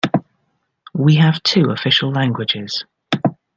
We have two official languages.